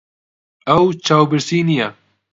ئەو چاوبرسی نییە.